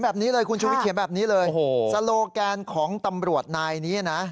ฮะคุณชูวิทย์เขียนแบบนี้เลยสโลแกนของตำรวจนายนี้นะ